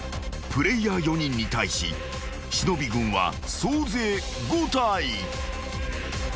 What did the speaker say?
［プレイヤー４人に対し忍軍は総勢５体］